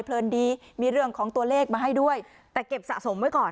เลินดีมีเรื่องของตัวเลขมาให้ด้วยแต่เก็บสะสมไว้ก่อน